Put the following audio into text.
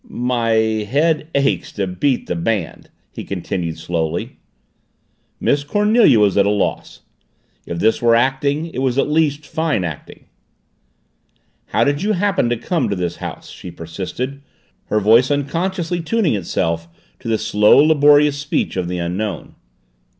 "My head aches to beat the band," he continued slowly. Miss Cornelia was at a loss. If this were acting, it was at least fine acting. "How did you happen to come to this house?" she persisted, her voice unconsciously tuning itself to the slow, laborious speech of the Unknown.